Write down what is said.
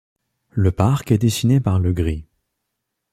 Le parc est dessiné par Legris.